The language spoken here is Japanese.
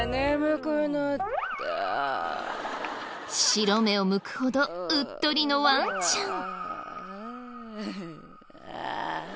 白目をむくほどうっとりのワンちゃん。